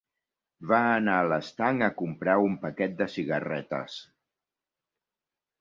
Va anar a l'estanc a comprar un paquet de cigarretes